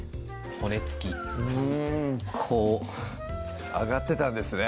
骨付きこう上がってたんですね